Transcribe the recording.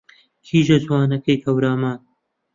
کیژە جوانەکەی هەورامان